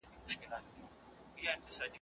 اقتصادي وده د حکومت پر ثبات څه اغېز لري؟